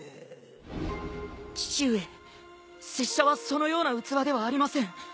父上拙者はそのような器ではありません